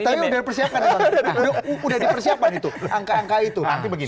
udah dipersiapkan itu